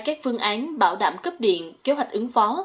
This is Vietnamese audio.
các phương án bảo đảm cấp điện kế hoạch ứng phó